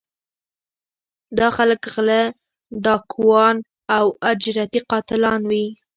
دا خلک غلۀ ، ډاکوان او اجرتي قاتلان وي